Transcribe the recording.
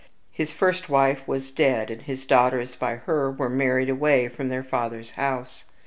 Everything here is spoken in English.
His first wife was dead, and his daughters by her were married away from their father's house.